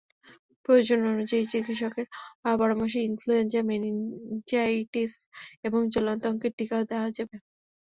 প্রয়োজন অনুযায়ী চিকিৎসকের পরামর্শে ইনফ্লুয়েঞ্জা, মেনিনজাইটিস এবং জলাতঙ্কের টিকাও দেওয়া যাবে।